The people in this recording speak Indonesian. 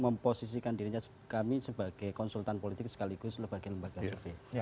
memposisikan dirinya kami sebagai konsultan politik sekaligus lembaga survei